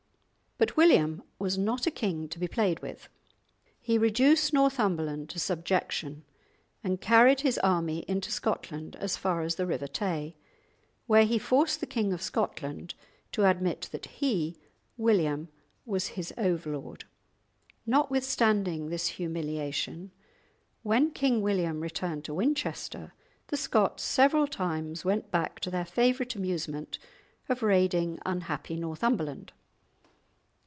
But William was not a king to be played with. He reduced Northumberland to subjection and carried his army into Scotland as far as the river Tay, where he forced the King of Scotland to admit that he, William, was his overlord. Notwithstanding this humiliation, when King William returned to Winchester, the Scots several times went back to their favourite amusement of raiding unhappy Northumberland.